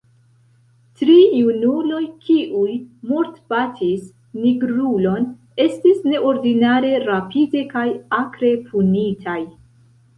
Tri junuloj, kiuj mortbatis nigrulon, estis neordinare rapide kaj akre punitaj.